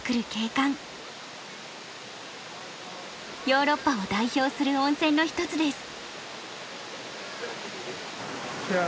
ヨーロッパを代表する温泉の一つです。